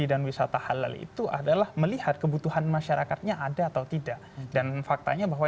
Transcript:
dan wisata halal itu adalah melihat kebutuhan masyarakatnya ada atau tidak dan faktanya bahwa